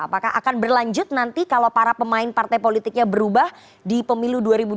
apakah akan berlanjut nanti kalau para pemain partai politiknya berubah di pemilu dua ribu dua puluh